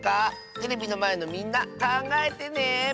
テレビのまえのみんなかんがえてね！